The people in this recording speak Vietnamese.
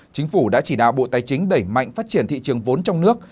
chính phủ đã chỉ đạo bộ tài chính đẩy mạnh phát triển thị trường vốn trong nước